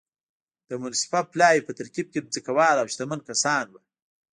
د منصفه پلاوي په ترکیب کې ځمکوال او شتمن کسان وو.